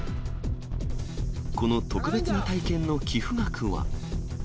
この特別な体験の寄付額は？